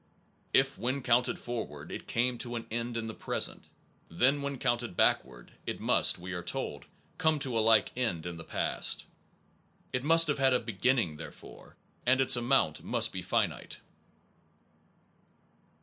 If, when counted forward, it came to an end in the present, then when counted backward, it must, we are told, come to a like end in the past. It must have had a beginning, therefore, and its amount must be finite.